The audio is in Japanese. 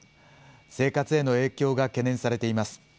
生活への影響が懸念されています。